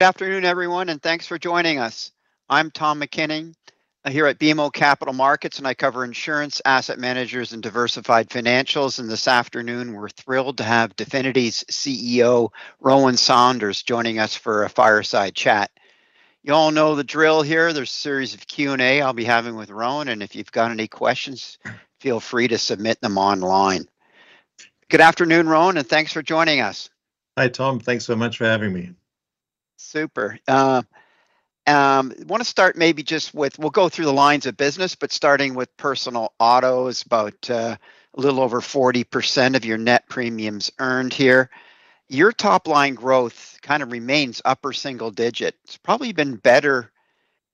Good afternoon, everyone, and thanks for joining us. I'm Tom MacKinnon here at BMO Capital Markets, and I cover insurance, asset managers, and diversified financials, and this afternoon, we're thrilled to have Definity's CEO, Rowan Saunders, joining us for a fireside chat. You all know the drill here. There's a series of Q&A I'll be having with Rowan, and if you've got any questions, feel free to submit them online. Good afternoon, Rowan, and thanks for joining us. Hi, Tom. Thanks so much for having me. Super. I want to start maybe just with, we'll go through the lines of business, but starting with personal auto, it's about a little over 40% of your net premiums earned here. Your top-line growth kind of remains upper single digit. It's probably been better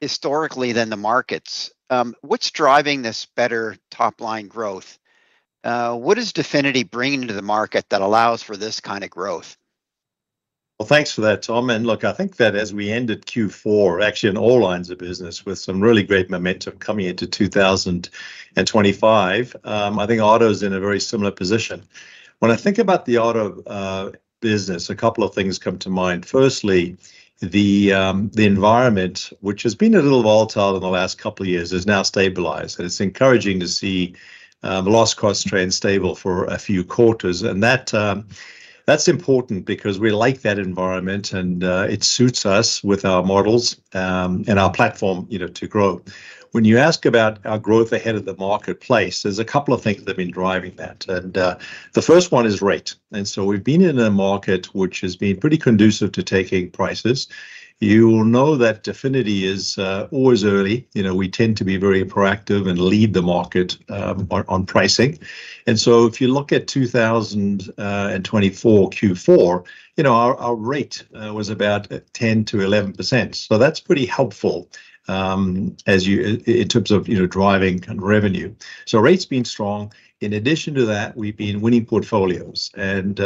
historically than the markets. What's driving this better top-line growth? What is Definity bringing to the market that allows for this kind of growth? Well, thanks for that, Tom. And look, I think that as we ended Q4, actually in all lines of business, with some really great momentum coming into 2025, I think auto's in a very similar position. When I think about the auto business, a couple of things come to mind. Firstly, the environment, which has been a little volatile in the last couple of years, has now stabilized, and it's encouraging to see the loss cost trend stable for a few quarters. And that's important because we like that environment, and it suits us with our models and our platform to grow. When you ask about our growth ahead of the marketplace, there's a couple of things that have been driving that. And the first one is rate. And so we've been in a market which has been pretty conducive to taking prices. You will know that Definity is always early. We tend to be very proactive and lead the market on pricing. And so if you look at 2024 Q4, our rate was about 10%-11%. So that's pretty helpful in terms of driving revenue. So rate's been strong. In addition to that, we've been winning portfolios. And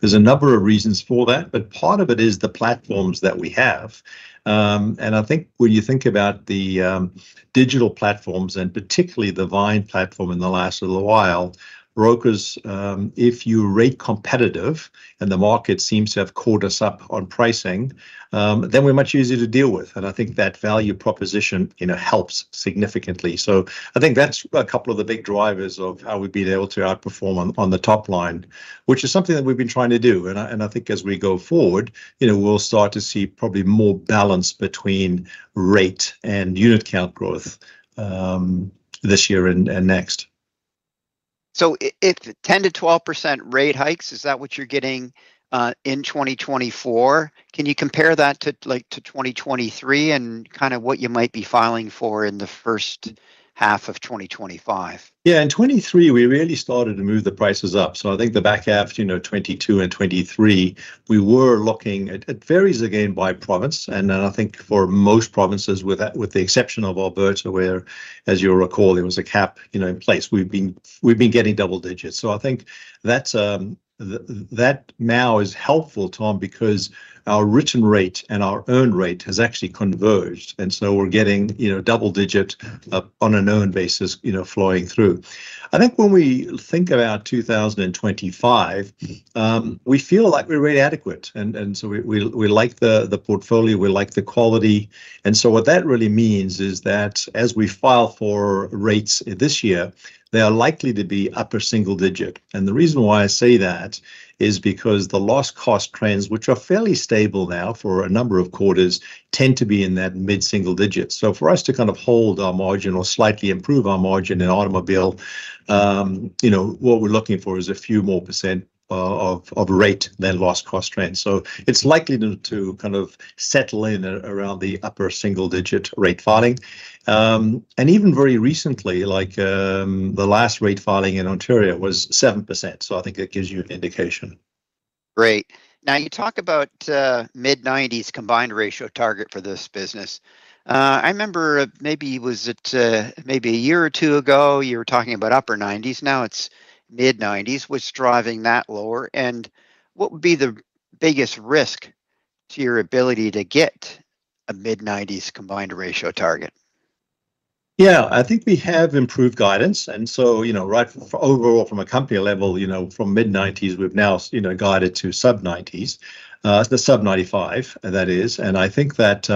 there's a number of reasons for that, but part of it is the platforms that we have. And I think when you think about the digital platforms and particularly the Vyne platform in the last little while, brokers, if you rate competitive and the market seems to have caught us up on pricing, then we're much easier to deal with. And I think that value proposition helps significantly. So I think that's a couple of the big drivers of how we've been able to outperform on the top line, which is something that we've been trying to do. And I think as we go forward, we'll start to see probably more balance between rate and unit count growth this year and next. So if 10%-12% rate hikes, is that what you're getting in 2024? Can you compare that to 2023 and kind of what you might be filing for in the first half of 2025? Yeah, in 2023, we really started to move the prices up. I think the back half, 2022 and 2023, we were looking at, it varies again by province. I think for most provinces, with the exception of Alberta, where, as you'll recall, there was a cap in place, we've been getting double digits. That now is helpful, Tom, because our written rate and our earned rate has actually converged. We're getting double digit on an earned basis flowing through. I think when we think about 2025, we feel like we're really adequate. We like the portfolio, we like the quality. What that really means is that as we file for rates this year, they are likely to be upper single digit. And the reason why I say that is because the loss cost trends, which are fairly stable now for a number of quarters, tend to be in that mid-single digit. For us to kind of hold our margin or slightly improve our margin in automobile, what we're looking for is a few more percent of rate than loss cost trends. It's likely to kind of settle in around the upper single digit rate filing. Even very recently, like the last rate filing in Ontario was 7%. I think that gives you an indication. Great. Now you talk about mid-90s combined ratio target for this business. I remember maybe it was a year or two ago, you were talking about upper-90s. Now it's mid-90s. What's driving that lower? And what would be the biggest risk to your ability to get a mid-90s combined ratio target? Yeah, I think we have improved guidance. And so overall, from a company level, from mid-90s, we've now guided to sub-90s, the sub-95, that is. And I think that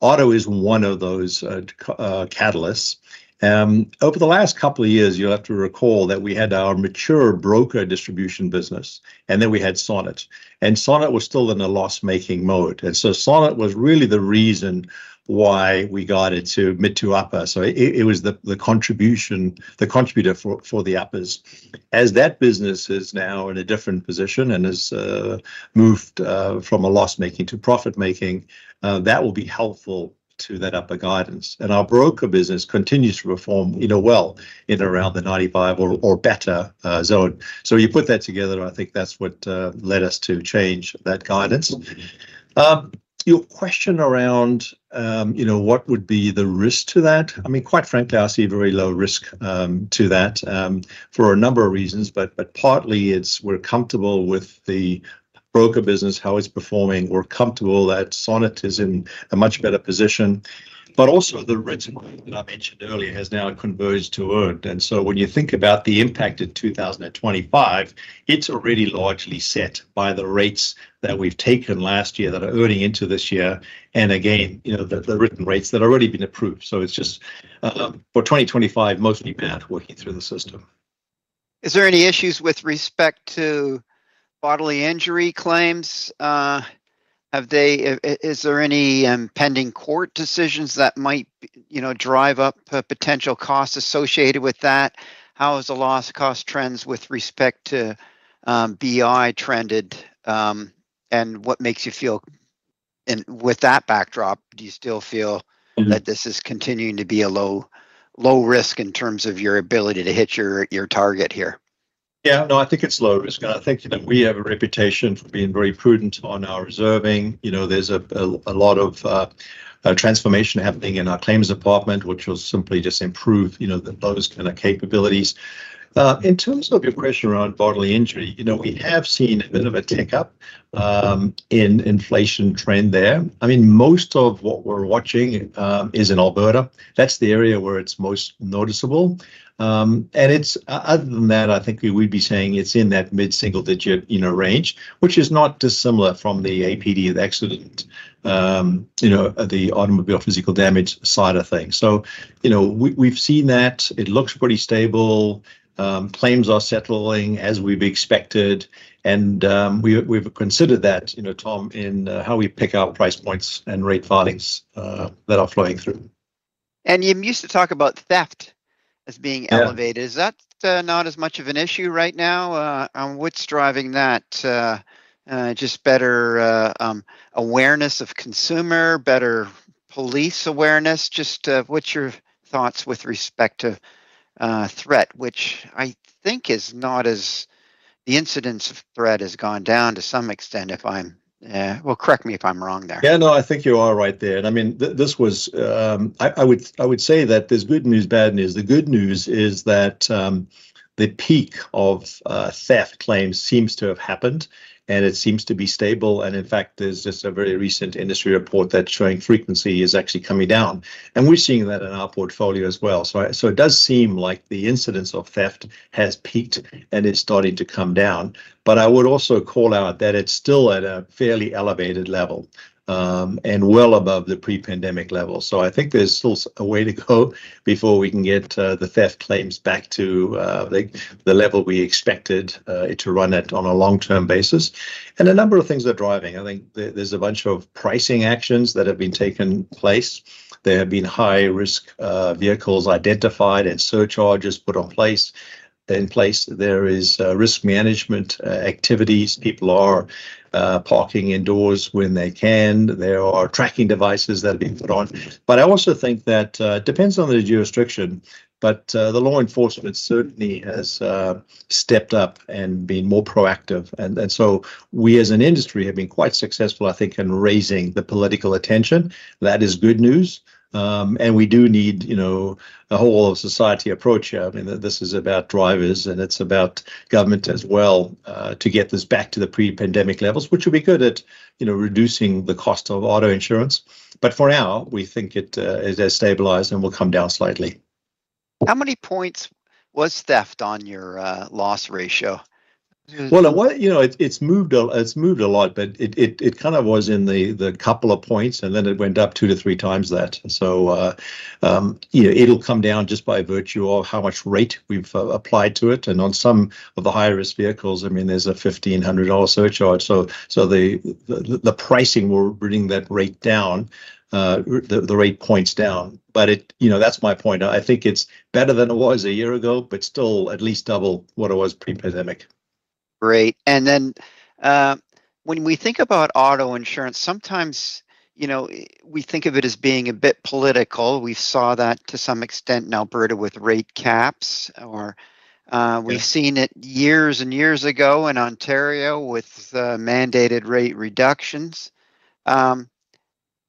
auto is one of those catalysts. Over the last couple of years, you'll have to recall that we had our mature broker distribution business, and then we had Sonnet. And Sonnet was still in a loss-making mode. And so Sonnet was really the reason why we got it to mid to upper. So it was the contributor for the uppers. As that business is now in a different position and has moved from a loss-making to profit-making, that will be helpful to that upper guidance. And our broker business continues to perform well in and around the 95 or better zone. So you put that together, I think that's what led us to change that guidance. Your question around what would be the risk to that? I mean, quite frankly, I see very low risk to that for a number of reasons, but partly it's we're comfortable with the broker business, how it's performing. We're comfortable that Sonnet is in a much better position. But also the rates that I mentioned earlier has now converged to earned. And so when you think about the impact in 2025, it's already largely set by the rates that we've taken last year that are earning into this year. And again, the written rates that have already been approved. So it's just for 2025, mostly bad working through the system. Is there any issues with respect to bodily injury claims? Is there any pending court decisions that might drive up potential costs associated with that? How is the loss cost trends with respect to BI trended? And what makes you feel with that backdrop? Do you still feel that this is continuing to be a low risk in terms of your ability to hit your target here? Yeah, no, I think it's low risk. And I think we have a reputation for being very prudent on our reserving. There's a lot of transformation happening in our claims department, which will simply just improve those kind of capabilities. In terms of your question around bodily injury, we have seen a bit of a tick up in inflation trend there. I mean, most of what we're watching is in Alberta. That's the area where it's most noticeable. And other than that, I think we would be saying it's in that mid-single digit range, which is not dissimilar from the APD the accident, the automobile physical damage side of things. So we've seen that. It looks pretty stable. Claims are settling as we've expected. And we've considered that, Tom, in how we pick our price points and rate filings that are flowing through. You used to talk about theft as being elevated. Is that not as much of an issue right now? What's driving that? Just better awareness of consumer, better police awareness? Just what's your thoughts with respect to theft, which I think is not as the incidence of theft has gone down to some extent, if I'm wrong, correct me if I'm wrong there. Yeah, no, I think you are right there, and I mean, I would say that there's good news, bad news. The good news is that the peak of theft claims seems to have happened, and it seems to be stable, and in fact, there's just a very recent industry report that's showing frequency is actually coming down. And we're seeing that in our portfolio as well. So it does seem like the incidence of theft has peaked and is starting to come down, but I would also call out that it's still at a fairly elevated level and well above the pre-pandemic level, so I think there's still a way to go before we can get the theft claims back to the level we expected it to run at on a long-term basis, and a number of things are driving. I think there's a bunch of pricing actions that have been taking place. There have been high-risk vehicles identified and surcharges put in place. There is risk management activities. People are parking indoors when they can. There are tracking devices that have been put on. But I also think that it depends on the jurisdiction, but the law enforcement certainly has stepped up and been more proactive. And so we as an industry have been quite successful, I think, in raising the political attention. That is good news. And we do need a whole-of-society approach here. I mean, this is about drivers, and it's about government as well to get this back to the pre-pandemic levels, which will be good at reducing the cost of auto insurance. But for now, we think it has stabilized and will come down slightly. How many points was theft on your loss ratio? Well, it's moved a lot, but it kind of was in the couple of points, and then it went up two to three times that. So it'll come down just by virtue of how much rate we've applied to it. And on some of the high-risk vehicles, I mean, there's a 1,500 dollar surcharge. So the pricing will bring that rate down, the rate points down. But that's my point. I think it's better than it was a year ago, but still at least double what it was pre-pandemic. Great. And then when we think about auto insurance, sometimes we think of it as being a bit political. We saw that to some extent in Alberta with rate caps. We've seen it years and years ago in Ontario with mandated rate reductions.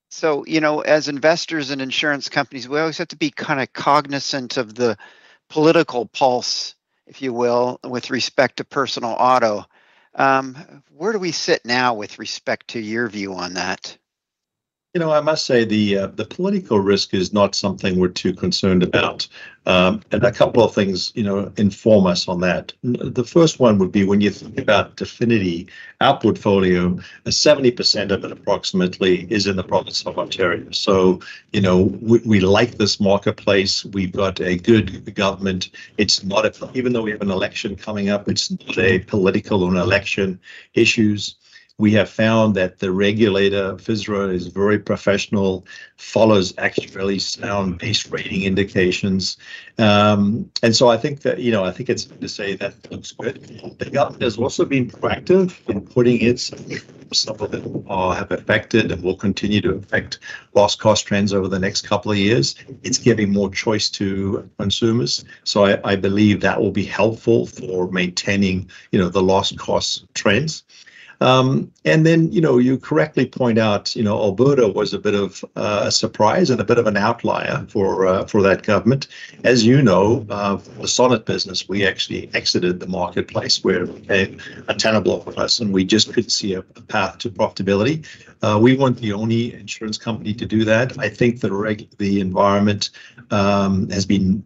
So as investors in insurance companies, we always have to be kind of cognizant of the political pulse, if you will, with respect to personal auto. Where do we sit now with respect to your view on that? You know, I must say the political risk is not something we're too concerned about. A couple of things inform us on that. The first one would be when you think about Definity, our portfolio, 70% of approximately it is in the province of Ontario. So, you know, we like this marketplace. We've got a good government. Even though we have an election coming up, it's not a political or an election issue. We have found that the regulator, FSRA, is very professional, follows actually very sound base rating indications. And so I think it's safe to say it looks good. The government has also been proactive in putting in some of them. They have affected and will continue to affect loss cost trends over the next couple of years. It's giving more choice to consumers. So I believe that will be helpful for maintaining the loss cost trends. And then you correctly point out, Alberta was a bit of a surprise and a bit of an outlier for that government. As you know, the Sonnet business, we actually exited the marketplace where we had a rate cap lock with us, and we just couldn't see a path to profitability. We weren't the only insurance company to do that. I think the environment has been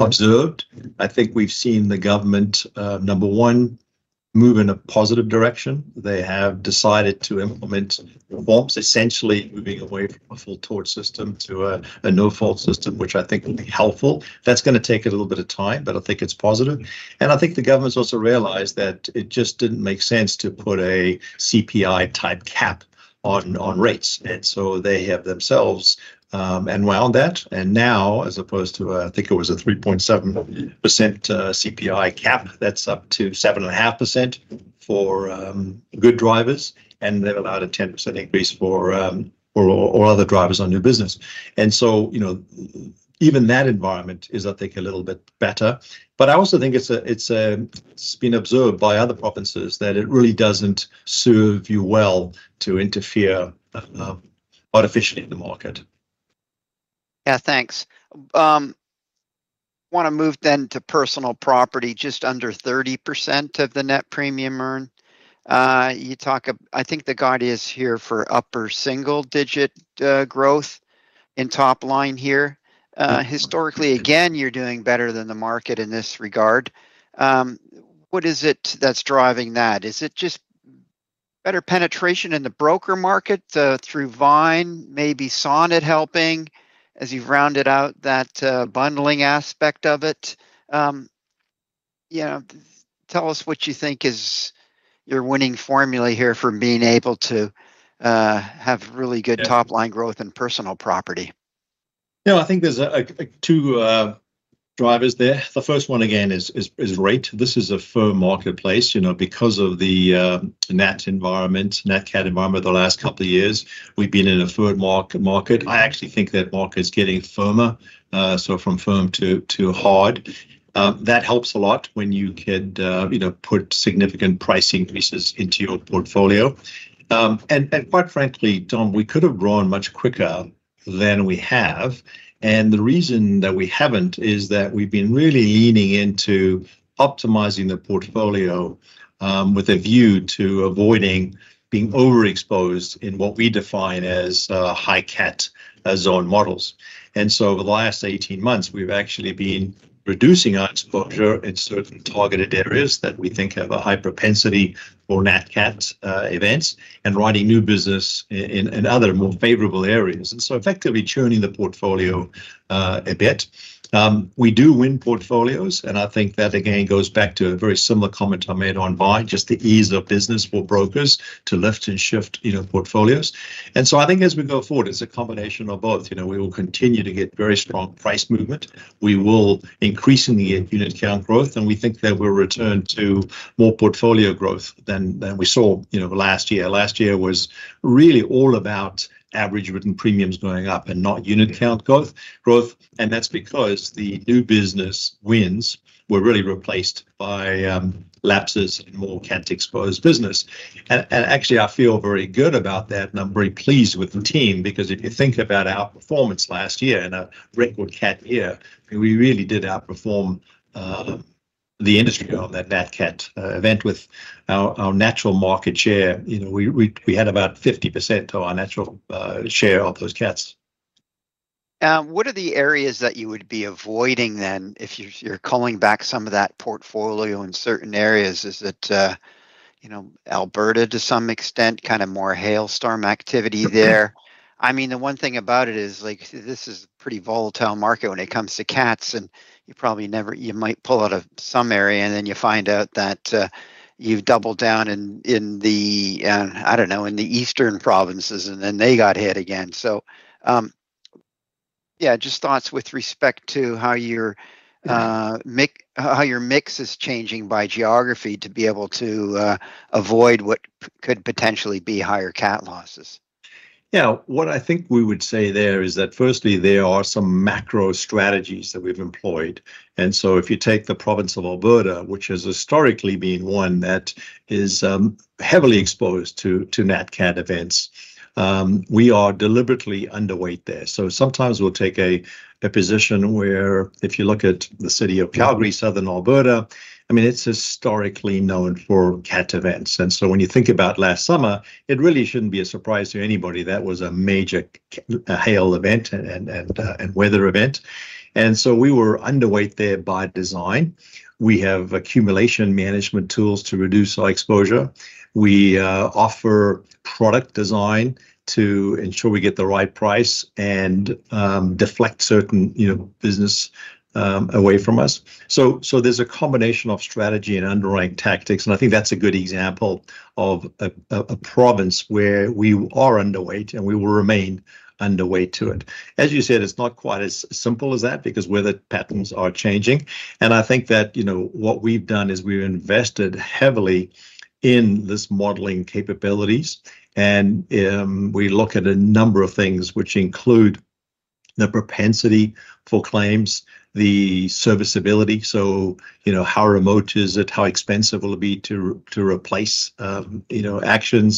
observed. I think we've seen the government, number one, move in a positive direction. They have decided to implement reforms, essentially moving away from a full tort system to a no-fault system, which I think will be helpful. That's going to take a little bit of time, but I think it's positive. And I think the government's also realized that it just didn't make sense to put a CPI-type cap on rates. And so they have themselves unwound that. And now, as opposed to, I think it was a 3.7% CPI cap, that's up to 7.5% for good drivers. And they've allowed a 10% increase for all other drivers on new business. And so even that environment is, I think, a little bit better. But I also think it's been observed by other provinces that it really doesn't serve you well to interfere artificially in the market. Yeah, thanks. I want to move then to personal property, just under 30% of the net premium earned. I think the guide is here for upper single-digit growth in top line here. Historically, again, you're doing better than the market in this regard. What is it that's driving that? Is it just better penetration in the broker market through Vyne, maybe Sonnet helping as you've rounded out that bundling aspect of it? Tell us what you think is your winning formula here for being able to have really good top-line growth in personal property. Yeah, I think there's two drivers there. The first one, again, is rate. This is a firm marketplace. Because of the nat-environment, Nat-Cat environment, the last couple of years, we've been in a firm market. I actually think that market is getting firmer, so from firm to hard. That helps a lot when you could put significant price increases into your portfolio. And quite frankly, Tom, we could have grown much quicker than we have. And the reason that we haven't is that we've been really leaning into optimizing the portfolio with a view to avoiding being overexposed in what we define as high-Cat zone models. And so over the last 18 months, we've actually been reducing our exposure in certain targeted areas that we think have a high propensity for Nat-Cat events and writing new business in other more favorable areas. And so, effectively churning the portfolio a bit. We do win portfolios. And I think that, again, goes back to a very similar comment I made on Vyne, just the ease of business for brokers to lift and shift portfolios. And so I think as we go forward, it's a combination of both. We will continue to get very strong price movement. We will increasingly get unit count growth. And we think that we'll return to more portfolio growth than we saw last year. Last year was really all about average written premiums going up and not unit count growth. And that's because the new business wins were really replaced by lapses in more cat-exposed business. And actually, I feel very good about that. I'm very pleased with the team because if you think about our performance last year and a record Nat-Cat year, we really did outperform the industry on that Nat-Cat event with our Nat-Cat market share. We had about 50% of our Nat-Cat share of those cats. What are the areas that you would be avoiding then if you're culling back some of that portfolio in certain areas? Is it Alberta to some extent, kind of more hailstorm activity there? I mean, the one thing about it is this is a pretty volatile market when it comes to cats. And you probably might pull out of some area and then you find out that you've doubled down in the, I don't know, in the eastern provinces, and then they got hit again. So yeah, just thoughts with respect to how your mix is changing by geography to be able to avoid what could potentially be higher cat losses. Yeah, what I think we would say there is that firstly, there are some macro strategies that we've employed. And so if you take the province of Alberta, which has historically been one that is heavily exposed to Nat-Cat events, we are deliberately underweight there. So sometimes we'll take a position where if you look at the city of Calgary, southern Alberta, I mean, it's historically known for cat events. And so when you think about last summer, it really shouldn't be a surprise to anybody that was a major hail event and weather event. And so we were underweight there by design. We have accumulation management tools to reduce our exposure. We offer product design to ensure we get the right price and deflect certain business away from us. So there's a combination of strategy and underlying tactics. And I think that's a good example of a province where we are underweight and we will remain underweight to it. As you said, it's not quite as simple as that because weather patterns are changing. And I think that what we've done is we've invested heavily in this modeling capabilities. And we look at a number of things, which include the propensity for claims, the serviceability. So how remote is it? How expensive will it be to replace a shingle?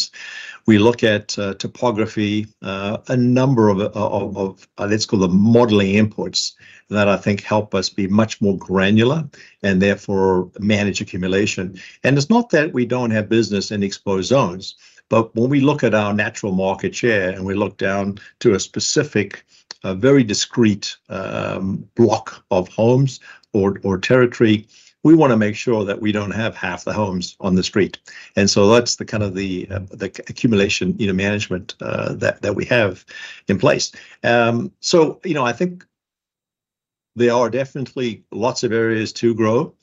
We look at topography, a number of, let's call them modeling inputs that I think help us be much more granular and therefore manage accumulation. It's not that we don't have business in exposed zones, but when we look at our natural market share and we look down to a specific, very discrete block of homes or territory, we want to make sure that we don't have half the homes on the street. And so that's the kind of the accumulation management that we have in place. So I think there are definitely lots of areas to grow.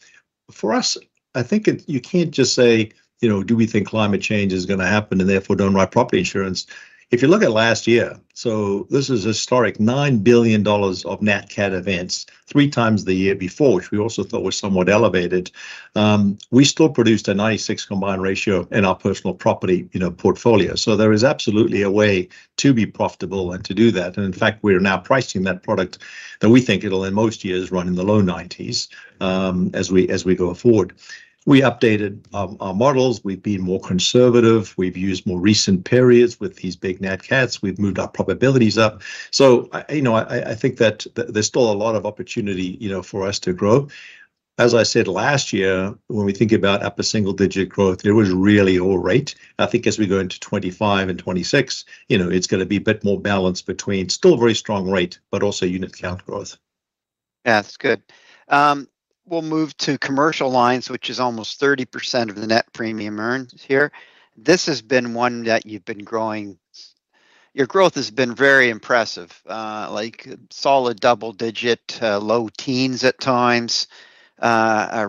For us, I think you can't just say, do we think climate change is going to happen and therefore don't write property insurance. If you look at last year, so this is historic, 9 billion dollars of Nat-Cat events three times the year before, which we also thought was somewhat elevated. We still produced a 96% combined ratio in our personal property portfolio. So there is absolutely a way to be profitable and to do that. In fact, we are now pricing that product that we think it'll, in most years, run in the low 90s as we go forward. We updated our models. We've been more conservative. We've used more recent periods with these big Nat Cats. We've moved our probabilities up. So I think that there's still a lot of opportunity for us to grow. As I said last year, when we think about upper single-digit growth, it was really all rate. I think as we go into 2025 and 2026, it's going to be a bit more balanced between still very strong rate, but also unit count growth. Yeah, that's good. We'll move to commercial lines, which is almost 30% of the net premium earned here. This has been one that you've been growing. Your growth has been very impressive, like solid double-digit, low teens at times. I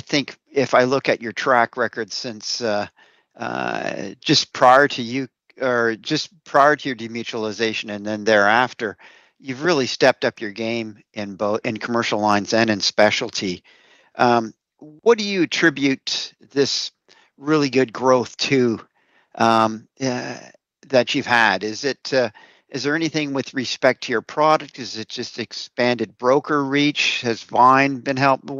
think if I look at your track record since just prior to your demutualization and then thereafter, you've really stepped up your game in commercial lines and in specialty. What do you attribute this really good growth to that you've had? Is there anything with respect to your product? Is it just expanded broker reach? Has Vyne been helping?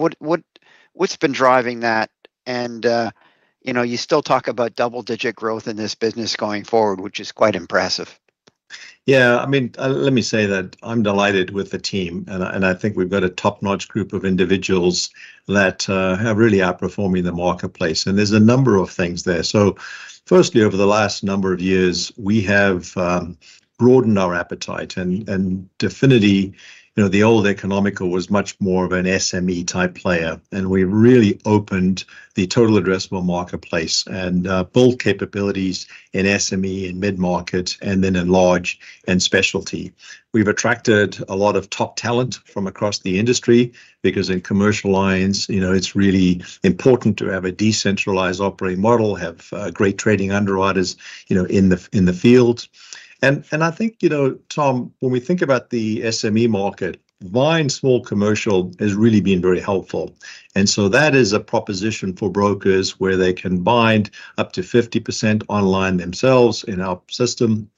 What's been driving that? And you still talk about double-digit growth in this business going forward, which is quite impressive. Yeah, I mean, let me say that I'm delighted with the team. And I think we've got a top-notch group of individuals that are really outperforming the marketplace. And there's a number of things there. So firstly, over the last number of years, we have broadened our appetite. And Definity, the old Economical, was much more of an SME-type player. And we really opened the total addressable marketplace and built capabilities in SME, in mid-market, and then in large and specialty. We've attracted a lot of top talent from across the industry because in commercial lines, it's really important to have a decentralized operating model, have great trading underwriters in the field. And I think, Tom, when we think about the SME market, Vyne, small commercial, has really been very helpful. And so that is a proposition for brokers where they can bind up to 50% online themselves in our system.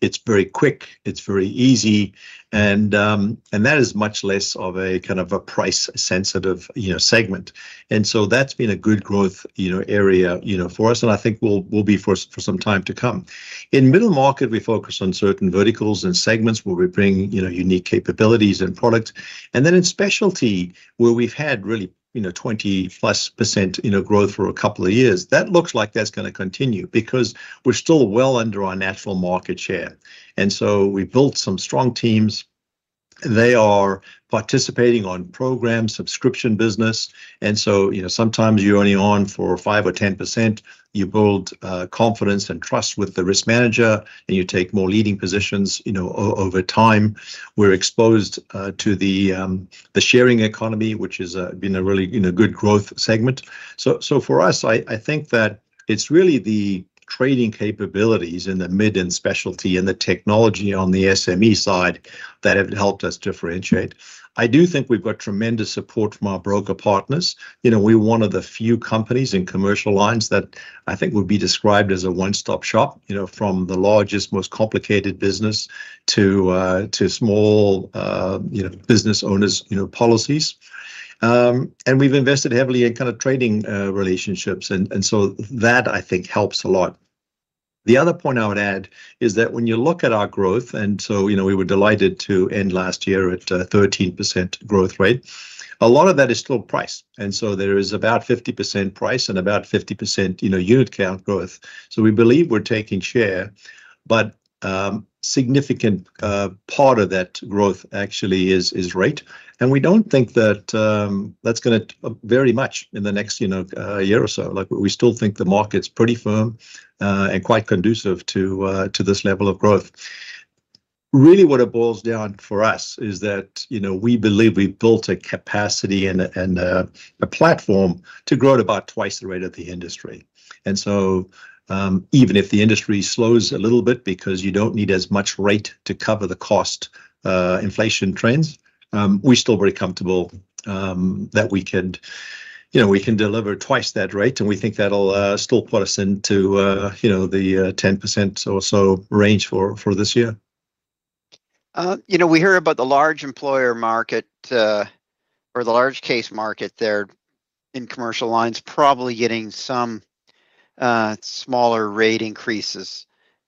It's very quick. It's very easy. And that is much less of a kind of a price-sensitive segment. And so that's been a good growth area for us. And I think we'll be for some time to come. In middle market, we focus on certain verticals and segments where we bring unique capabilities and products. And then in specialty, where we've had really 20+% growth for a couple of years, that looks like that's going to continue because we're still well under our natural market share. And so we've built some strong teams. They are participating on program subscription business. And so sometimes you're only on for 5% or 10%. You build confidence and trust with the risk manager, and you take more leading positions over time. We're exposed to the sharing economy, which has been a really good growth segment, so for us, I think that it's really the trading capabilities in the mid and specialty and the technology on the SME side that have helped us differentiate. I do think we've got tremendous support from our broker partners. We're one of the few companies in commercial lines that I think would be described as a one-stop shop from the largest, most complicated business to small business owners' policies, and we've invested heavily in kind of trading relationships, and so that, I think, helps a lot. The other point I would add is that when you look at our growth, and so we were delighted to end last year at a 13% growth rate, a lot of that is still price, and so there is about 50% price and about 50% unit count growth. So we believe we're taking share. But a significant part of that growth actually is rate. And we don't think that that's going to vary much in the next year or so. We still think the market's pretty firm and quite conducive to this level of growth. Really, what it boils down for us is that we believe we've built a capacity and a platform to grow at about twice the rate of the industry. And so even if the industry slows a little bit because you don't need as much rate to cover the cost inflation trends, we're still very comfortable that we can deliver twice that rate. And we think that'll still put us into the 10% or so range for year. You know, we hear about the large employer market or the large case market there in commercial lines probably getting some smaller rate increases.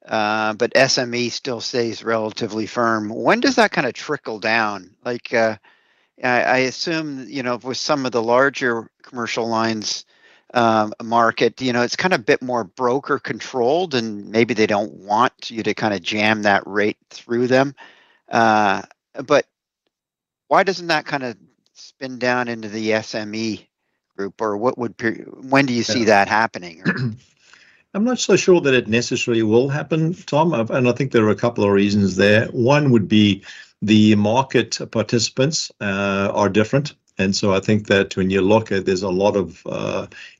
But SME still stays relatively firm. When does that kind of trickle down? I assume with some of the larger commercial lines market, it's kind of a bit more broker controlled, and maybe they don't want you to kind of jam that rate through them. But why doesn't that kind of spin down into the SME group? Or when do you see that happening? I'm not so sure that it necessarily will happen, Tom. And I think there are a couple of reasons there. One would be the market participants are different. And so I think that when you look at, there's a lot of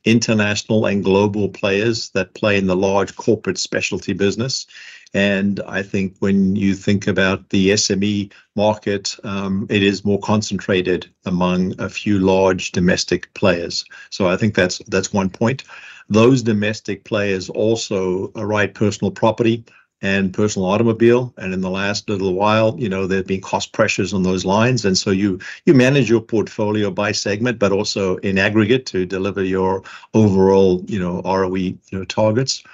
international and global players that play in the large corporate specialty business. And I think when you think about the SME market, it is more concentrated among a few large domestic players. So I think that's one point. Those domestic players also write personal property and personal automobile. And in the last little while, there have been cost pressures on those lines. And so you manage your portfolio by segment, but also in aggregate to deliver your overall ROE targets.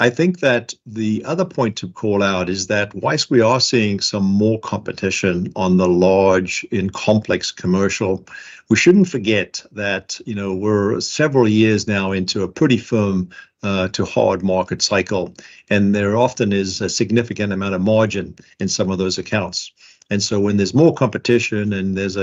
I think that the other point to call out is that while we are seeing some more competition on the large and complex commercial, we shouldn't forget that we're several years now into a pretty firm-to-hard market cycle. And there often is a significant amount of margin in some of those accounts. And so when there's more competition and there's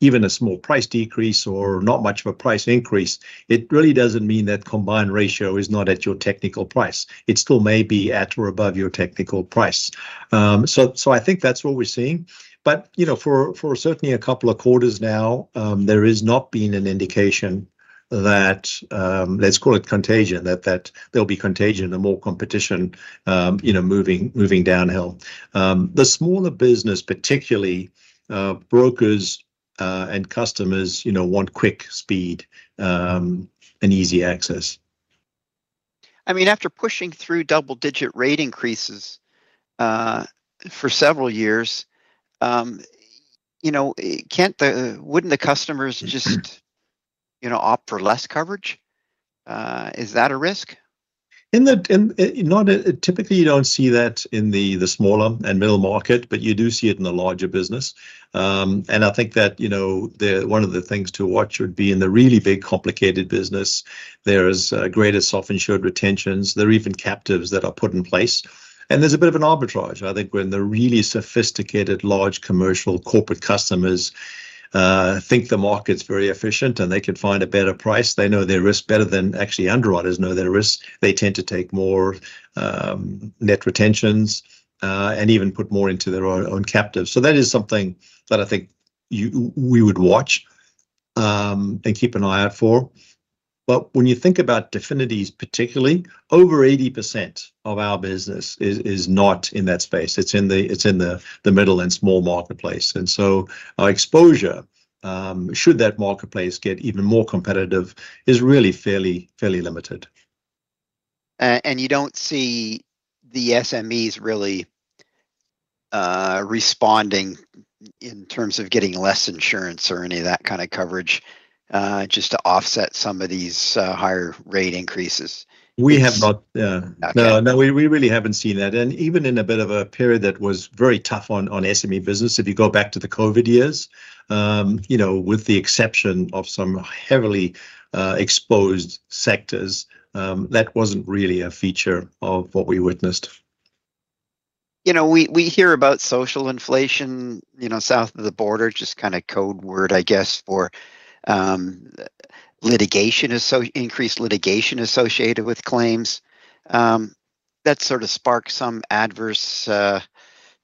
even a small price decrease or not much of a price increase, it really doesn't mean that combined ratio is not at your technical price. It still may be at or above your technical price. So I think that's what we're seeing. But for certainly a couple of quarters now, there has not been an indication that, let's call it contagion, that there'll be contagion and more competition moving downhill. The smaller business, particularly brokers and customers, want quick speed and easy access. I mean, after pushing through double-digit rate increases for several years, wouldn't the customers just opt for less coverage? Is that a risk? Typically, you don't see that in the smaller and middle market, but you do see it in the larger business, and I think that one of the things to watch would be in the really big complicated business, there's greater self-insured retentions. There are even captives that are put in place, and there's a bit of an arbitrage. I think when the really sophisticated large commercial corporate customers think the market's very efficient and they can find a better price, they know their risk better than actually underwriters know their risk. They tend to take more net retentions and even put more into their own captives. So that is something that I think we would watch and keep an eye out for, but when you think about Definity's particularly, over 80% of our business is not in that space. It's in the middle and small marketplace. And so our exposure, should that marketplace get even more competitive, is really fairly limited. You don't see the SMEs really responding in terms of getting less insurance or any of that kind of coverage just to offset some of these higher rate increases. We have not. No, we really haven't seen that. And even in a bit of a period that was very tough on SME business, if you go back to the COVID years, with the exception of some heavily exposed sectors, that wasn't really a feature of what we witnessed. You know, we hear about social inflation south of the border, just kind of code word, I guess, for increased litigation associated with claims. That sort of sparked some adverse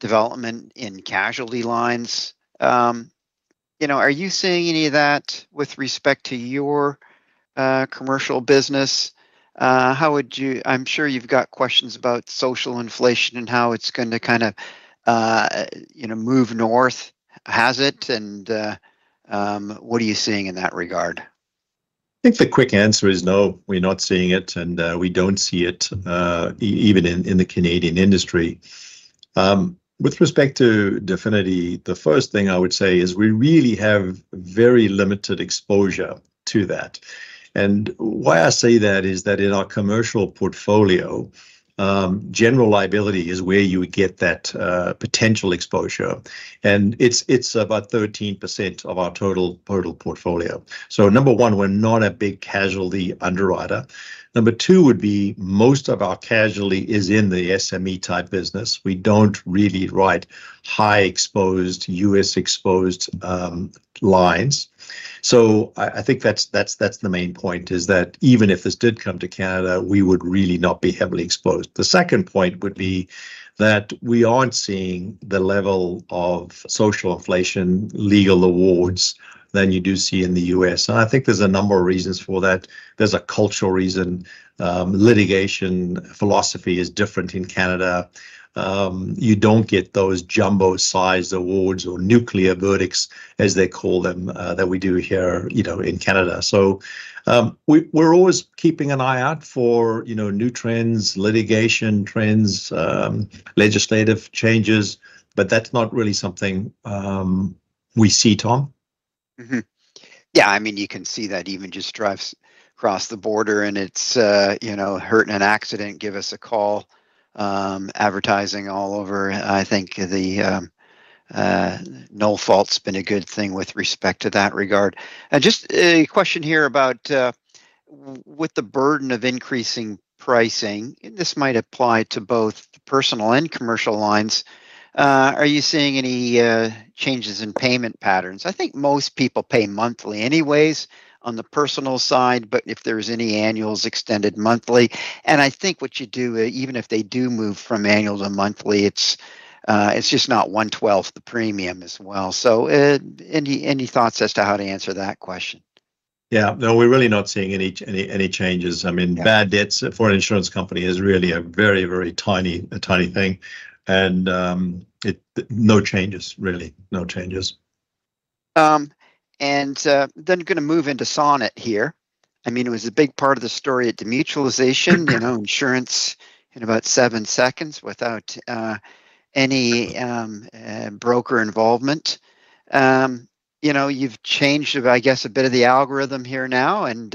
development in casualty lines. Are you seeing any of that with respect to your commercial business? I'm sure you've got questions about social inflation and how it's going to kind of move north. Has it? And what are you seeing in that regard? I think the quick answer is no, we're not seeing it, and we don't see it even in the Canadian industry. With respect to Definity, the first thing I would say is we really have very limited exposure to that. And why I say that is that in our commercial portfolio, general liability is where you would get that potential exposure. And it's about 13% of our total portfolio. So number one, we're not a big casualty underwriter. Number two would be most of our casualty is in the SME-type business. We don't really write high-exposed U.S.-exposed lines. So I think that's the main point, is that even if this did come to Canada, we would really not be heavily exposed. The second point would be that we aren't seeing the level of social inflation legal awards than you do see in the U.S. I think there's a number of reasons for that. There's a cultural reason. Litigation philosophy is different in Canada. You don't get those jumbo-sized awards or nuclear verdicts, as they call them, that we do here in Canada. We're always keeping an eye out for new trends, litigation trends, legislative changes, but that's not really something we see, Tom. Yeah, I mean, you can see that even just drives across the border, and it's hurt in an accident, give us a call, advertising all over. I think the no-fault's been a good thing with respect to that regard. Just a question here about with the burden of increasing pricing, this might apply to both personal and commercial lines. Are you seeing any changes in payment patterns? I think most people pay monthly anyways on the personal side, but if there's any annuals, extended monthly. And I think what you do, even if they do move from annual to monthly, it's just not one-twelfth the premium as well. So any thoughts as to how to answer that question? Yeah. No, we're really not seeing any changes. I mean, bad debts for an insurance company is really a very, very tiny thing. And no changes, really. No changes. And then, going to move into Sonnet here. I mean, it was a big part of the story at the demutualization, insurance in about seven seconds without any broker involvement. You've changed, I guess, a bit of the algorithm here now. And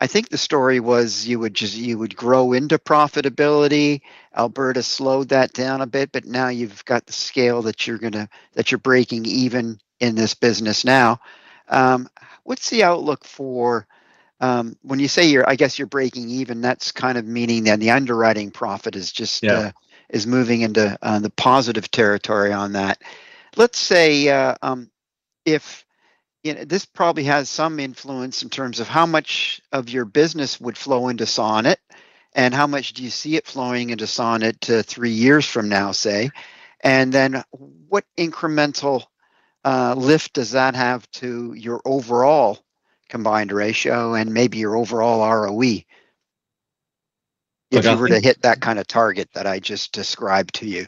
I think the story was you would grow into profitability. Alberta slowed that down a bit, but now you've got the scale that you're breaking even in this business now. What's the outlook for when you say you're, I guess you're breaking even? That's kind of meaning that the underwriting profit is moving into the positive territory on that. Let's say if this probably has some influence in terms of how much of your business would flow into Sonnet, and how much do you see it flowing into Sonnet three years from now, say? And then what incremental lift does that have to your overall combined ratio and maybe your overall ROE, if you were to hit that kind of target that, I just described to you?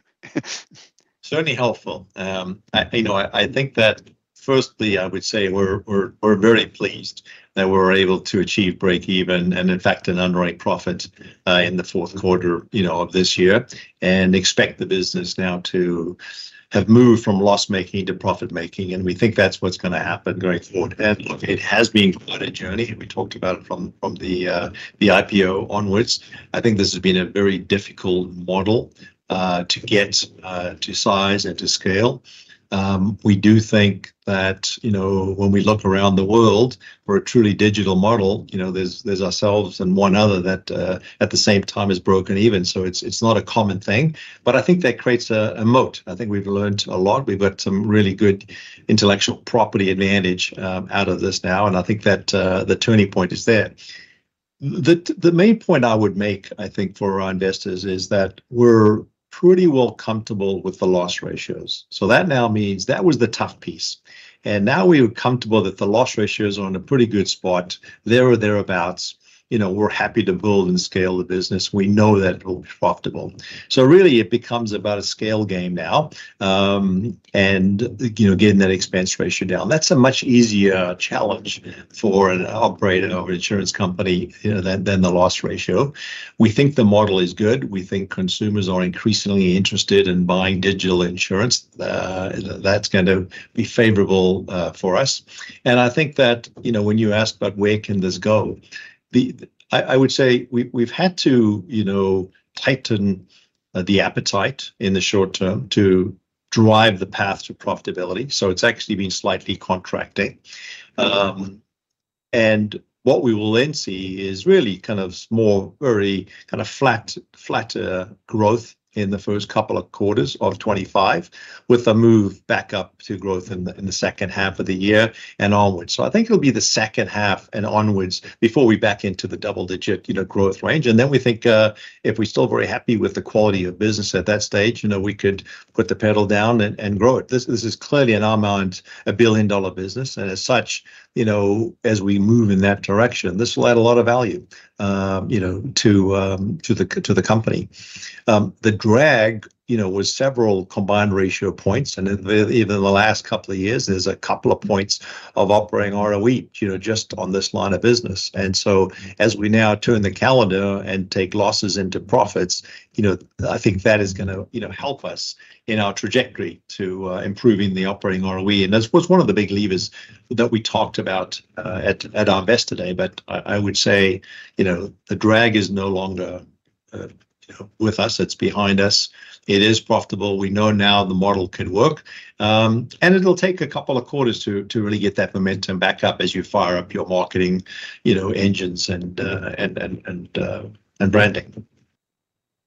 Certainly helpful. I think that firstly, I would say we're very pleased that we're able to achieve break-even and, in fact, an underwriting profit in the fourth quarter of this year and expect the business now to have moved from loss-making to profit-making. And we think that's what's going to happen going forward. And look, it has been quite a journey. We talked about it from the IPO onwards. I think this has been a very difficult model to get to size and to scale. We do think that when we look around the world for a truly digital model, there's ourselves and one other that at the same time has broken even. So it's not a common thing. But I think that creates a moat. I think we've learned a lot. We've got some really good intellectual property advantage out of this now. And I think that the turning point is there. The main point I would make, I think, for our investors is that we're pretty well comfortable with the loss ratios. So that now means that was the tough piece. And now we are comfortable that the loss ratio is on a pretty good spot, there or thereabouts. We're happy to build and scale the business. We know that it will be profitable. So really, it becomes about a scale game now and getting that expense ratio down. That's a much easier challenge for an operator of an insurance company than the loss ratio. We think the model is good. We think consumers are increasingly interested in buying digital insurance. That's going to be favorable for us. And I think that when you ask about where can this go, I would say we've had to tighten the appetite in the short term to drive the path to profitability. It's actually been slightly contracting. What we will then see is really kind of more very kind of flatter growth in the first couple of quarters of 2025 with a move back up to growth in the second half of the year and onwards. I think it'll be the second half and onwards before we back into the double-digit growth range. Then we think if we're still very happy with the quality of business at that stage, we could put the pedal down and grow it. This is clearly, in our minds, a billion-dollar business. As such, as we move in that direction, this will add a lot of value to the company. The drag was several combined Ratio points, and even in the last couple of years, there's a couple of points of Operating ROE just on this line of business, and so as we now turn the calendar and take losses into profits, I think that is going to help us in our trajectory to improving the Operating ROE, and that was one of the big levers that we talked about at our Investor Day, but I would say the drag is no longer with us. It's behind us. It is profitable. We know now the model can work, and it'll take a couple of quarters to really get that momentum back up as you fire up your marketing engines and branding.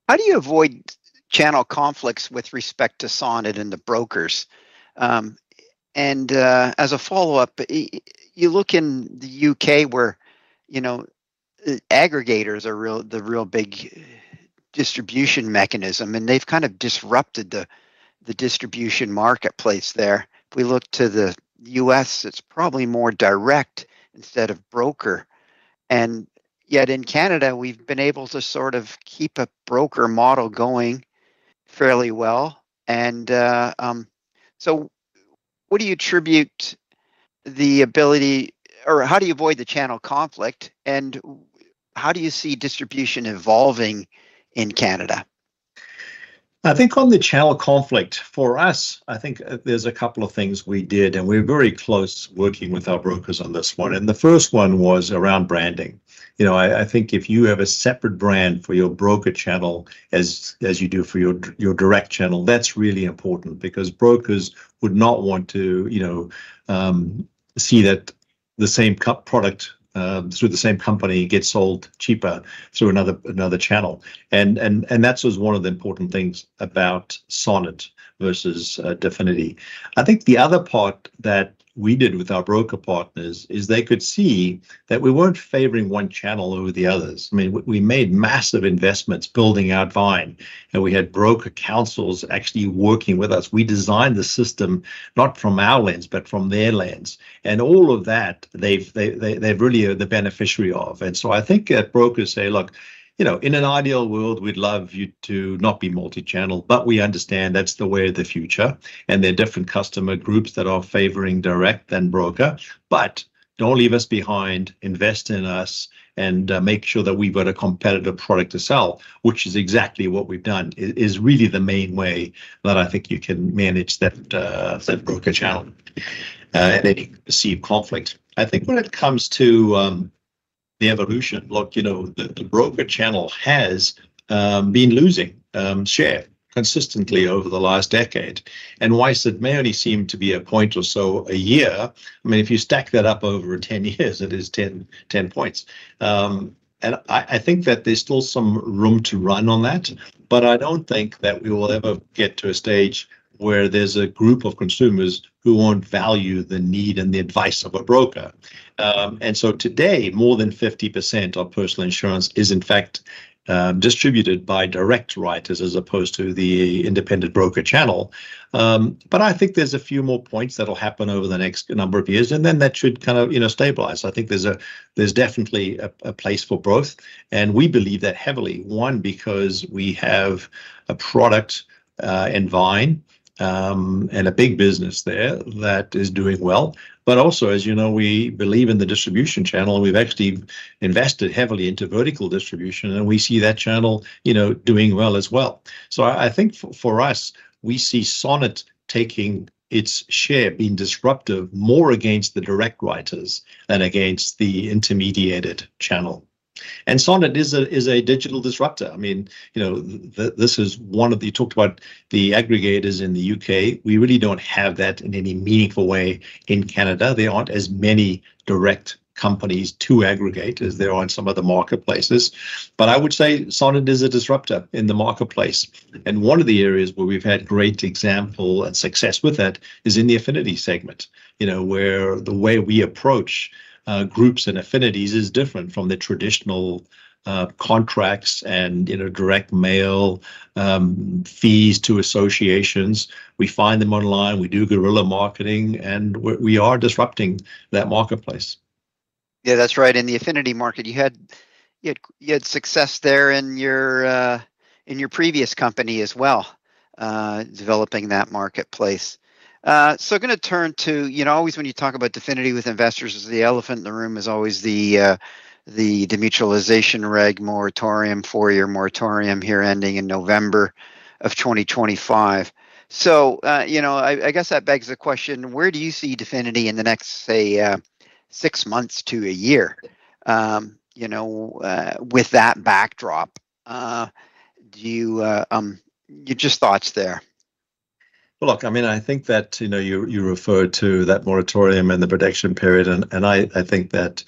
How do you avoid channel conflicts with respect to Sonnet and the brokers? And as a follow-up, you look in the U.K. where aggregators are the real big distribution mechanism, and they've kind of disrupted the distribution marketplace there. If we look to the U.S., it's probably more direct instead of broker. And yet in Canada, we've been able to sort of keep a broker model going fairly well. And so what do you attribute the ability, or how do you avoid the channel conflict? And how do you see distribution evolving in Canada? I think on the channel conflict for us, I think there's a couple of things we did, and we're very close working with our brokers on this one. And the first one was around branding. I think if you have a separate brand for your broker channel as you do for your direct channel, that's really important because brokers would not want to see that the same product through the same company gets sold cheaper through another channel. And that was one of the important things about Sonnet versus Definity. I think the other part that we did with our broker partners is they could see that we weren't favoring one channel over the others. I mean, we made massive investments building our Vyne, and we had broker councils actually working with us. We designed the system not from our lens, but from their lens. And all of that, they're really the beneficiary of. So I think that brokers say, "Look, in an ideal world, we'd love you to not be multi-channel, but we understand that's the way of the future. And there are different customer groups that are favoring direct than broker. But don't leave us behind. Invest in us and make sure that we've got a competitive product to sell," which is exactly what we've done, is really the main way that I think you can manage that broker channel. Then you can perceive conflict. I think when it comes to the evolution, look, the broker channel has been losing share consistently over the last decade. And why is it? It may only seem to be a point or so a year? I mean, if you stack that up over 10 years, it is 10 points. I think that there's still some room to run on that, but I don't think that we will ever get to a stage where there's a group of consumers who won't value the need and the advice of a broker. So today, more than 50% of personal insurance is, in fact, distributed by direct writers as opposed to the independent broker channel. I think there's a few more points that will happen over the next number of years, and then that should kind of stabilize. I think there's definitely a place for growth. We believe that heavily, one, because we have a product in Vyne and a big business there that is doing well. Also, as you know, we believe in the distribution channel. We've actually invested heavily into vertical distribution, and we see that channel doing well as well. So I think for us, we see Sonnet taking its share, being disruptive more against the direct writers than against the intermediated channel, and Sonnet is a digital disruptor. I mean, this is one of the, you talked about the aggregators in the U.K. We really don't have that in any meaningful way in Canada. There aren't as many direct companies to aggregate as there are in some of the marketplaces, but I would say Sonnet is a disruptor in the marketplace, and one of the areas where we've had great example and success with that is in the affinity segment, where the way we approach groups and affinities is different from the traditional contracts and direct mail fees to associations. We find them online. We do guerrilla marketing, and we are disrupting that marketplace. Yeah, that's right. In the affinity market, you had success there in your previous company as well, developing that marketplace. So I'm going to turn to always when you talk about Definity with investors, the elephant in the room is always the demutualization regulatory moratorium, four-year moratorium here ending in November of 2025. So, you know, I guess that begs the question, where do you see Definity in the next, say, six months to a year with that backdrop? Your just thoughts there. Well, look. I mean, I think that you referred to that moratorium and the production period, and I think that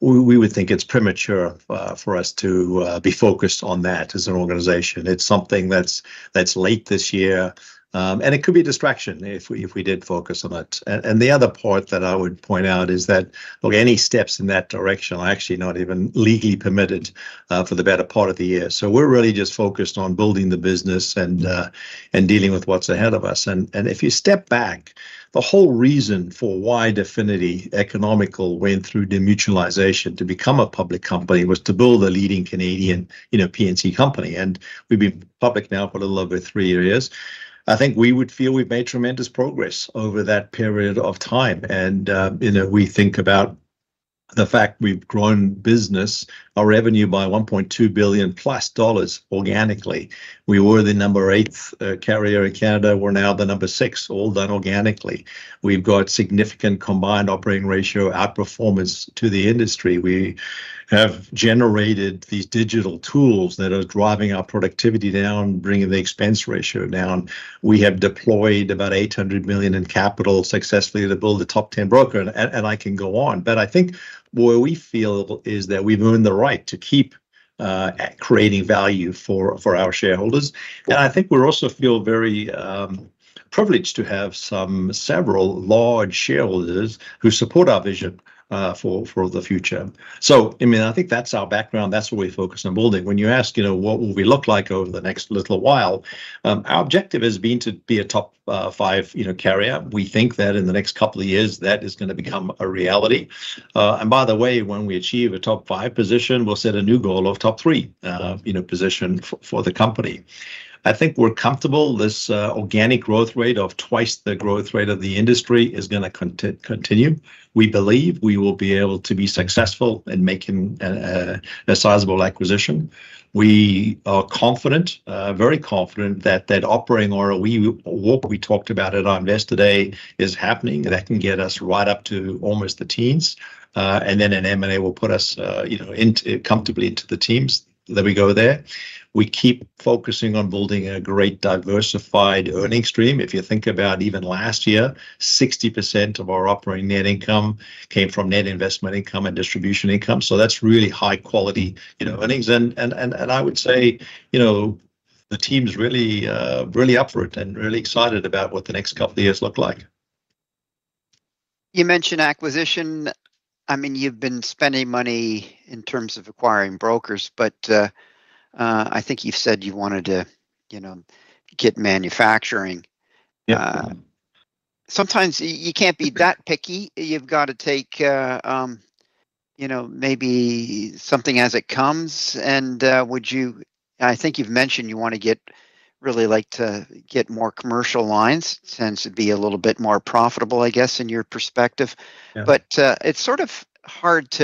we would think it's premature for us to be focused on that as an organization. It's something that's late this year, and it could be a distraction if we did focus on it. And the other part that I would point out is that, look, any steps in that direction are actually not even legally permitted for the better part of the year. So we're really just focused on building the business and dealing with what's ahead of us. And if you step back, the whole reason for why Definity Economical went through demutualization to become a public company was to build a leading Canadian P&C company. And we've been public now for a little over three years. I think we would feel we've made tremendous progress over that period of time, and we think about the fact we've grown business, our revenue by 1.2 billion plus dollars organically. We were the number eight carrier in Canada. We're now the number six, all done organically. We've got significant combined operating ratio outperformance to the industry. We have generated these digital tools that are driving our productivity down, bringing the expense ratio down. We have deployed about 800 million in capital successfully to build the top 10 broker, and I can go on. But I think where we feel is that we've earned the right to keep creating value for our shareholders. I think we also feel very privileged to have several large shareholders who support our vision for the future. So, I mean, I think that's our background. That's what we focus on building. When you ask what will we look like over the next little while, our objective has been to be a top five carrier. We think that in the next couple of years, that is going to become a reality, and by the way, when we achieve a top five position, we'll set a new goal of top three position for the company. I think we're comfortable. This organic growth rate of twice the growth rate of the industry is going to continue. We believe we will be able to be successful in making a sizable acquisition. We are confident, very confident that that Operating ROE, what we talked about at our Investor Day, is happening. That can get us right up to almost the teens, and then an M&A will put us comfortably into the teens as we go there. We keep focusing on building a great diversified earnings stream. If you think about even last year, 60% of our operating net income came from net investment income and distribution income. So that's really high-quality earnings. And I would say the team's really up for it and really excited about what the next couple of years look like. You mentioned acquisition. I mean, you've been spending money in terms of acquiring brokers, but I think you've said you wanted to get manufacturing. Sometimes you can't be that picky. You've got to take maybe something as it comes, and I think you've mentioned you want to really like to get more commercial lines since it'd be a little bit more profitable, I guess, in your perspective, but it's sort of hard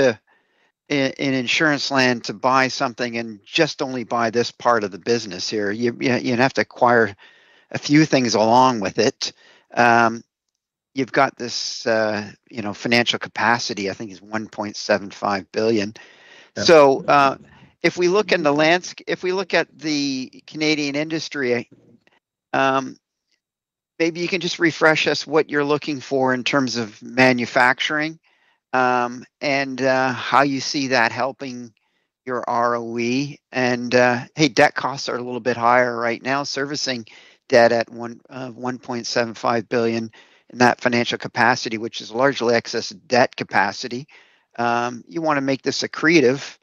in insurance land to buy something and just only buy this part of the business here. You have to acquire a few things along with it. You've got this financial capacity, I think, is 1.75 billion, so if we look in the landscape, if we look at the Canadian industry, maybe you can just refresh us what you're looking for in terms of manufacturing and how you see that helping your ROE. Hey, debt costs are a little bit higher right now. Servicing debt at 1.75 billion in that financial capacity, which is largely excess debt capacity. You want to make this a creative.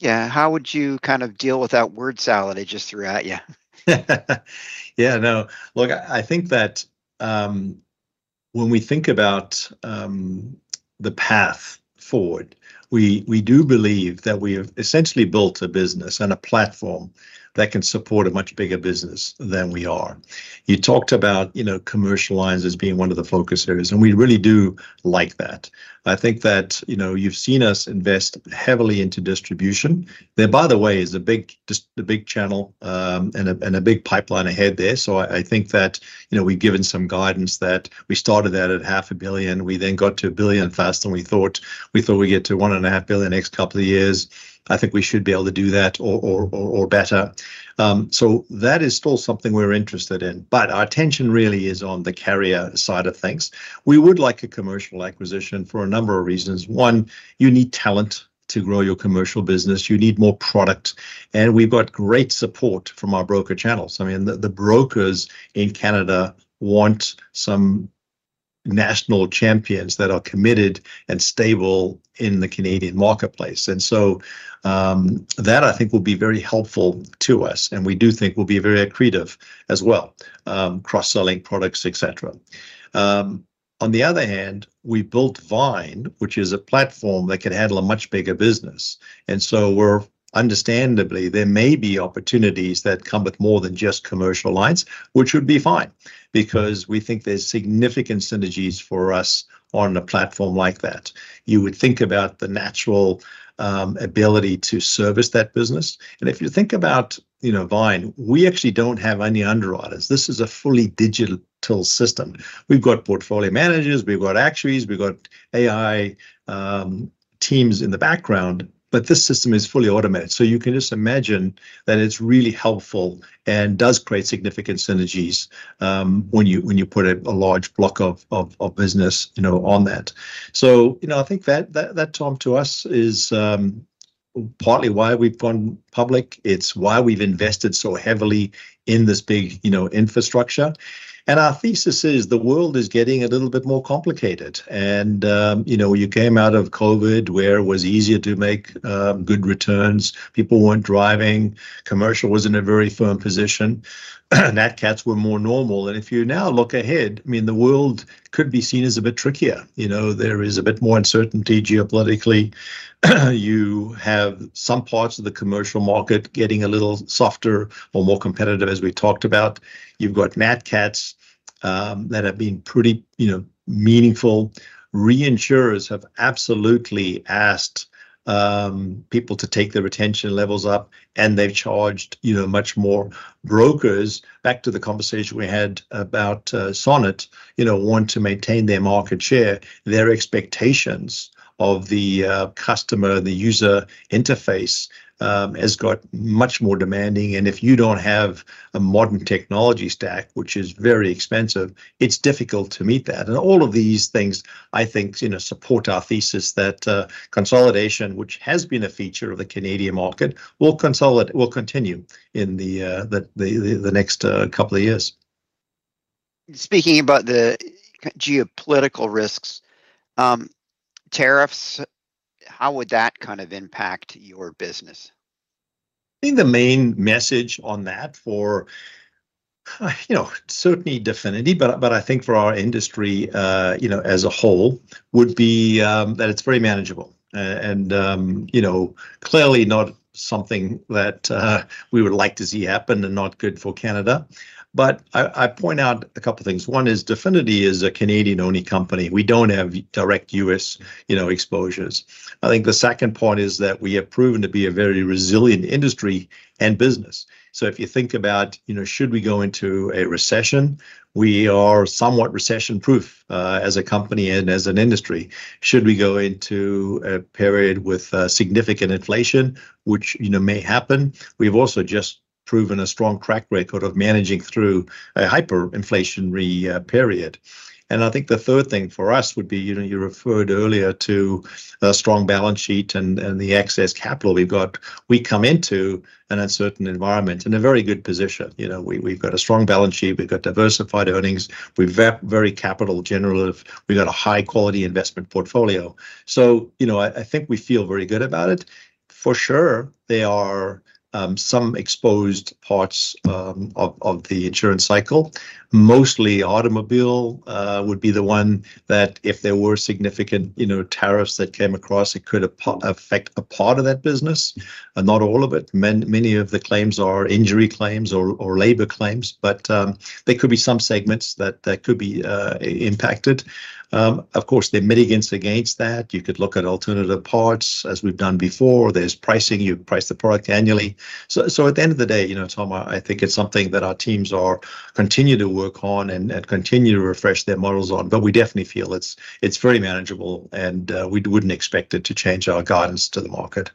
Yeah. How would you kind of deal with that word salad I just threw at you? Yeah. No. Look, I think that when we think about the path forward, we do believe that we have essentially built a business and a platform that can support a much bigger business than we are. You talked about commercial lines as being one of the focus areas, and we really do like that. I think that you've seen us invest heavily into distribution. There, by the way, is a big channel and a big pipeline ahead there. So I think that we've given some guidance that we started out at 500 million. We then got to 1 billion fast, and we thought we get to 1.5 billion next couple of years. I think we should be able to do that or better. So that is still something we're interested in. But our attention really is on the carrier side of things. We would like a commercial acquisition for a number of reasons. One, you need talent to grow your commercial business. You need more product. And we've got great support from our broker channels. I mean, the brokers in Canada want some national champions that are committed and stable in the Canadian marketplace. And so that, I think, will be very helpful to us. And we do think we'll be very accretive as well, cross-selling products, etc. On the other hand, we built Vyne, which is a platform that can handle a much bigger business. And so, understandably, there may be opportunities that come with more than just commercial lines, which would be fine because we think there's significant synergies for us on a platform like that. You would think about the natural ability to service that business. And if you think about Vyne, we actually don't have any underwriters. This is a fully digital system. We've got portfolio managers. We've got actuaries. We've got AI teams in the background, but this system is fully automated. So you can just imagine that it's really helpful and does create significant synergies when you put a large block of business on that. So I think that, Tom, to us is partly why we've gone public. It's why we've invested so heavily in this big infrastructure, and our thesis is the world is getting a little bit more complicated, and you came out of COVID, where it was easier to make good returns. People weren't driving. Commercial was in a very firm position. Nat Cats were more normal, and if you now look ahead, I mean, the world could be seen as a bit trickier. There is a bit more uncertainty geopolitically. You have some parts of the commercial market getting a little softer or more competitive, as we talked about. You've got Nat Cats that have been pretty meaningful. Reinsurers have absolutely asked people to take their retention levels up, and they've charged much more brokers. Back to the conversation we had about Sonnet, want to maintain their market share. Their expectations of the customer and the user interface has got much more demanding. And if you don't have a modern technology stack, which is very expensive, it's difficult to meet that. And all of these things, I think, support our thesis that consolidation, which has been a feature of the Canadian market, will continue in the next couple of years. Speaking about the geopolitical risks, tariffs, how would that kind of impact your business? I think the main message on that for certainly Definity, but I think for our industry as a whole would be that it's very manageable and clearly not something that we would like to see happen and not good for Canada, but I point out a couple of things. One is Definity is a Canadian-only company. We don't have direct U.S. exposures. I think the second part is that we have proven to be a very resilient industry and business, so if you think about should we go into a recession, we are somewhat recession-proof as a company and as an industry. Should we go into a period with significant inflation, which may happen, we've also just proven a strong track record of managing through a hyperinflationary period. And I think the third thing for us would be you referred earlier to a strong balance sheet and the excess capital we've got. We come into an uncertain environment in a very good position. We've got a strong balance sheet. We've got diversified earnings. We've got very capital generative. We've got a high-quality investment portfolio. So I think we feel very good about it. For sure, there are some exposed parts of the insurance cycle. Mostly automobile would be the one that if there were significant tariffs that came across, it could affect a part of that business, not all of it. Many of the claims are injury claims or labor claims, but there could be some segments that could be impacted. Of course, there are mitigants against that. You could look at alternative parts, as we've done before. There's pricing. You price the product annually. So, at the end of the day, Tom, I think it's something that our teams continue to work on and continue to refresh their models on. We definitely feel it's very manageable, and we wouldn't expect it to change our guidance to the market.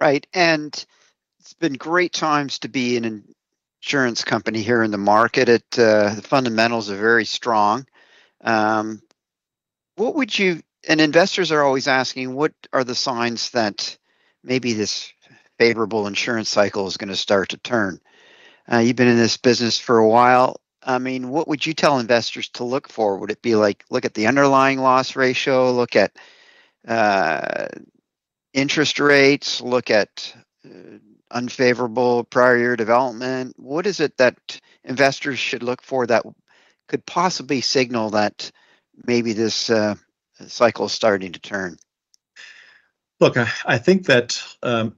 Right. And it's been great times to be in an insurance company here in the market. The fundamentals are very strong. And investors are always asking, what are the signs that maybe this favorable insurance cycle is going to start to turn? You've been in this business for a while. I mean, what would you tell investors to look for? Would it be like, look at the underlying loss ratio, look at interest rates, look at unfavorable prior year development? What is it that investors should look for that could possibly signal that maybe this cycle is starting to turn? Look, I think that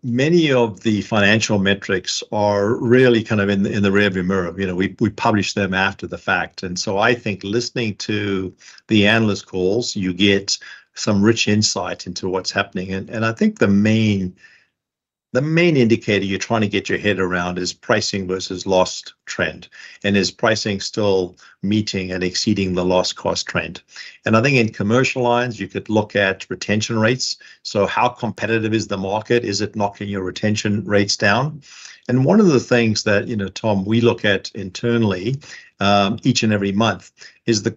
many of the financial metrics are really kind of in the rearview mirror. We publish them after the fact. And so I think listening to the analyst calls, you get some rich insight into what's happening. And I think the main indicator you're trying to get your head around is pricing versus loss trend. And is pricing still meeting and exceeding the loss cost trend? And I think in commercial lines, you could look at retention rates. So how competitive is the market? Is it knocking your retention rates down? And one of the things that, Tom, we look at internally each and every month is the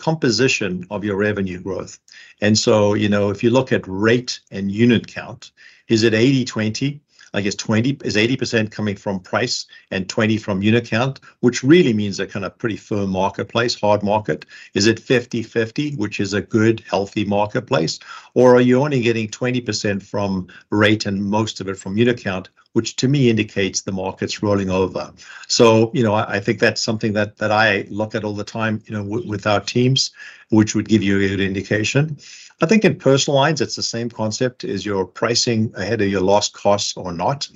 composition of your revenue growth. And so if you look at rate and unit count, is it 80/20? I guess is 80% coming from price and 20% from unit count, which really means a kind of pretty firm marketplace, hard market. Is it 50/50, which is a good, healthy marketplace? Or are you only getting 20% from rate and most of it from unit count, which to me indicates the market's rolling over? So I think that's something that I look at all the time with our teams, which would give you a good indication. I think in personal lines, it's the same concept as your pricing ahead of your loss costs or not.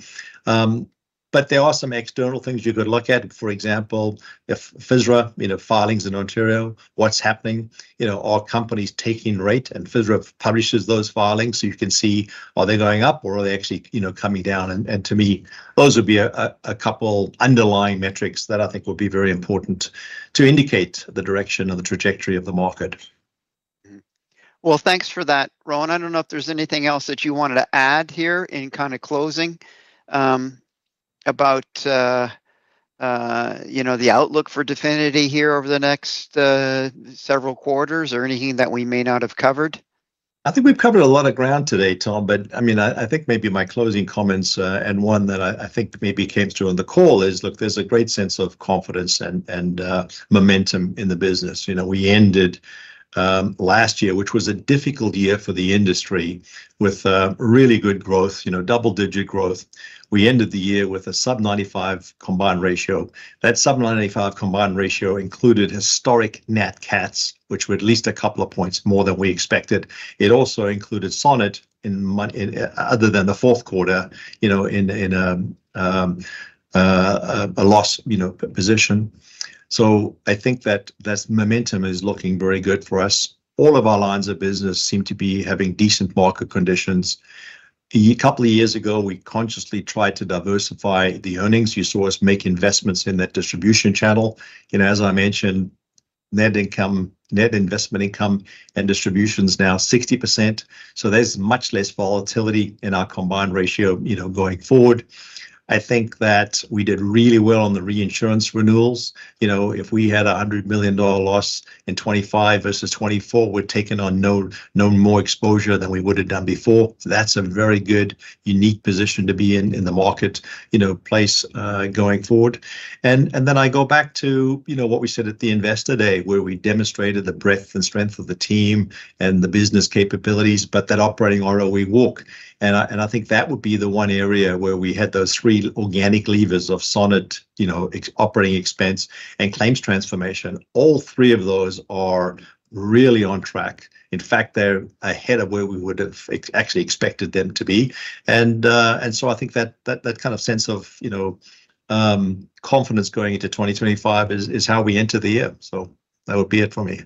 But there are some external things you could look at. For example, FSRA filings in Ontario, what's happening? Are companies taking rate? And FSRA publishes those filings. So you can see, are they going up or are they actually coming down? And to me, those would be a couple underlying metrics that I think would be very important to indicate the direction of the trajectory of the market. Thanks for that, Rowan. I don't know if there's anything else that you wanted to add here in kind of closing about the outlook for Definity here over the next several quarters or anything that we may not have covered? I think we've covered a lot of ground today, Tom. But I mean, I think maybe my closing comments and one that I think maybe came through on the call is, look, there's a great sense of confidence and momentum in the business. We ended last year, which was a difficult year for the industry, with really good growth, double-digit growth. We ended the year with a sub-95 combined ratio. That sub-95 combined ratio included historic Nat Cats, which were at least a couple of points more than we expected. It also included Sonnet, other than the fourth quarter, in a loss position. So I think that that momentum is looking very good for us. All of our lines of business seem to be having decent market conditions. A couple of years ago, we consciously tried to diversify the earnings. You saw us make investments in that distribution channel. As I mentioned, net investment income and distributions now 60%, so there's much less volatility in our combined ratio going forward. I think that we did really well on the reinsurance renewals. If we had a 100 million dollar loss in 2025 versus 2024, we're taking on no more exposure than we would have done before. That's a very good, unique position to be in in the marketplace going forward, and then I go back to what we said at the Investor Day, where we demonstrated the breadth and strength of the team and the business capabilities, but that operating ROE walk, and I think that would be the one area where we had those three organic levers of Sonnet, operating expense, and claims transformation. All three of those are really on track. In fact, they're ahead of where we would have actually expected them to be. And so I think that kind of sense of confidence going into 2025 is how we enter the year. So that would be it for me.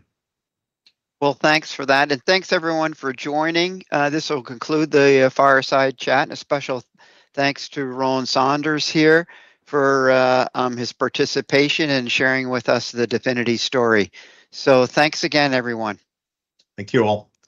Thanks for that. Thanks, everyone, for joining. This will conclude the Fireside Chat. A special thanks to Rowan Saunders here for his participation and sharing with us the Definity story. Thanks again, everyone. Thank you all.